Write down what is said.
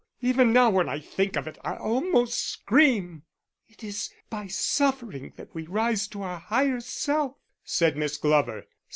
Even now when I think of it I almost scream." "It is by suffering that we rise to our higher self," said Miss Glover.